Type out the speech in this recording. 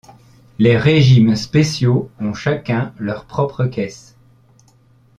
Les régimes spéciaux ont chacun leur propre caisse.